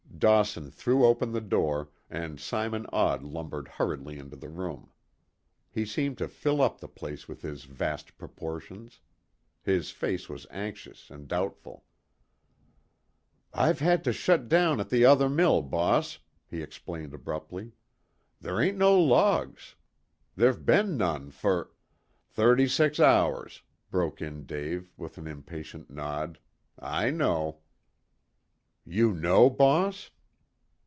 Dawson threw open the door, and Simon Odd lumbered hurriedly into the room. He seemed to fill up the place with his vast proportions. His face was anxious and doubtful. "I've had to shut down at the other mill, boss," he explained abruptly. "Ther' ain't no logs. Ther've been none for " "Thirty six hours," broke in Dave, with an impatient nod. "I know." "You know, boss?"